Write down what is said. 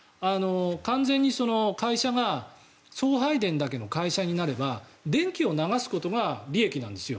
完全に会社が送配電だけの会社になれば電気を流すことが利益なんですよ。